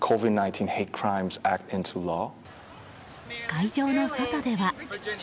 会場の外では。